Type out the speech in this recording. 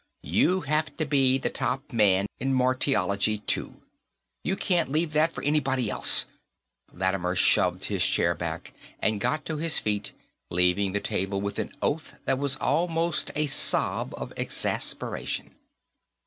You have to be the top man in Martiology, too. You can't leave that for anybody else " Lattimer shoved his chair back and got to his feet, leaving the table with an oath that was almost a sob of exasperation.